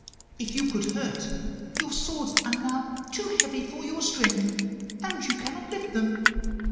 If you could hurt, your swords are now too heavy for your strength, and you cannot lift them.